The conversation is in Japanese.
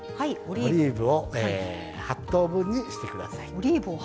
オリーブを８等分にしてください。